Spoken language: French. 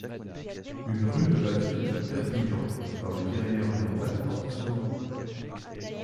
Une rue de la ville de Perpignan dans les Pyrénées-Orientales porte son nom.